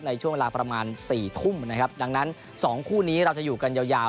ในช่วงเวลาประมาณสี่ทุ่มนะครับดังนั้นสองคู่นี้เราจะอยู่กันยาวยาว